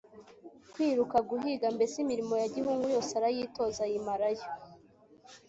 kwiruka, guhiga mbese imirimo ya gihungu yose arayitoza ayimarayo.